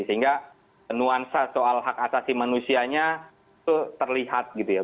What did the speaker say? sehingga nuansa soal hak asasi manusianya itu terlihat gitu ya